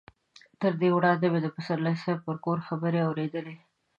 تر دې وړاندې مې د پسرلي صاحب پر کور خبرې اورېدلې.